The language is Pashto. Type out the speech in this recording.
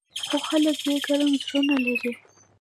خو خلک یې ګرم زړونه لري.